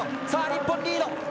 さあ、日本リード。